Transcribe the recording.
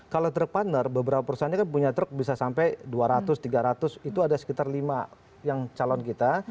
kalau truk partner beberapa perusahaannya kan punya truk bisa sampai dua ratus tiga ratus itu ada sekitar lima yang calon kita